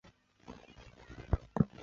弗代纳人口变化图示